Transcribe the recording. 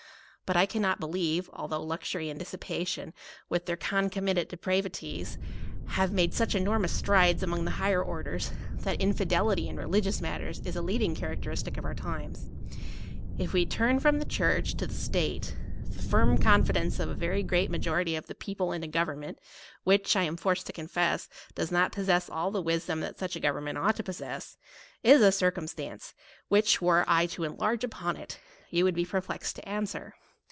But I cannot believe, although luxury and dissipation with their concomitant de pravities have made such enormous strides among the higher orders, that infidelity in re ligious matters is a leading characteristick of our times. If we tum from the church to the state, the firm confidence of a very great ma jority of the people in a government, which, I am forced to confess, does not possess all the wisdom that such a government ought to possess, is a circumstance, which, were I to enlarge upon it, you would be perplexed to answer.